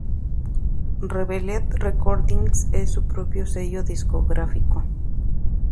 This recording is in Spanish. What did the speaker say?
Revealed Recordings es su propio sello discográfico.